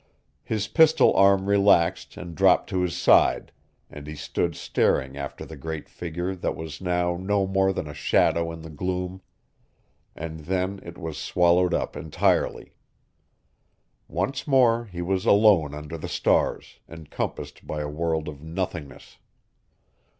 His pistol arm relaxed and dropped to his side, and he stood staring after the great figure that was now no more than a shadow in the gloom. And then it was swallowed up entirely. Once more he was alone under the stars, encompassed by a world of nothingness.